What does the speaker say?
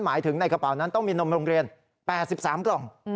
หมายถึงในกระเป๋านั้นต้องมีนมโรงเรียน๘๓กล่อง